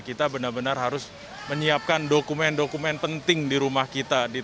kita benar benar harus menyiapkan dokumen dokumen penting di rumah kita